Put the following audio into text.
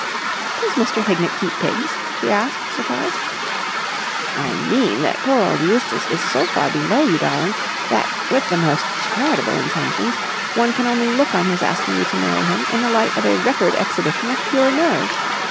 "Does Mr. Hignett keep pigs?" she asked, surprised. "I mean that poor old Eustace is so far below you, darling, that, with the most charitable intentions, one can only look on his asking you to marry him in the light of a record exhibition of pure nerve.